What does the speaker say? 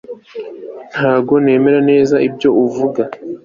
Ntabwo nemera neza ibyo avuga